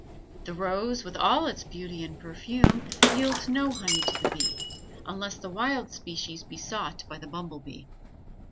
The rose, with all its beauty and perfume, yields no honey to the bee, unless the wild species be sought by the bumble bee.